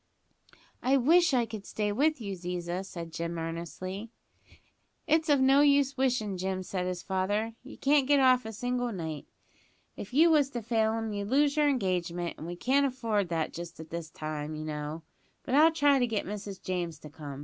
"I wish I could stay with you, Ziza," said Jim earnestly. "It's of no use wishin', Jim," said his father, "you can't get off a single night. If you was to fail 'em you'd lose your engagement, and we can't afford that just at this time, you know; but I'll try to get Mrs James to come.